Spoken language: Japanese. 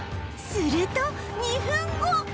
すると２分後